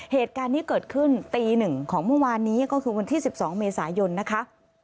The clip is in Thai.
เหตุการณ์นี้เกิดขึ้นตี๑ของเมื่อวานนี้ก็คือวันที่๑๒เมษายนนะคะ